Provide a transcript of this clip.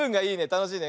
たのしいね。